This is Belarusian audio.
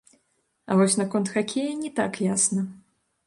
А вось наконт хакея не так ясна.